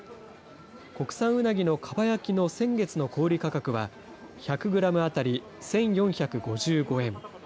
国産うなぎのかば焼きの先月の小売り価格は、１００グラム当たり１４５５円。